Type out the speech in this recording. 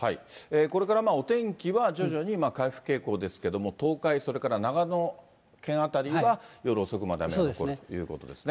これからお天気は徐々に回復傾向ですけども、東海、それから長野県辺りは、夜遅くまで雨が残るということですね。